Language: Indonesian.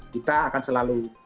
kita akan selalu